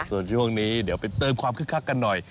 ส่วนช่วงนี้เดี๋ยวไปเติมความคึกคักกันหน่อย